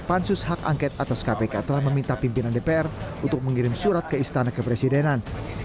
pansus hak angket atas kpk telah meminta pimpinan dpr untuk mengirim surat ke istana kepresidenan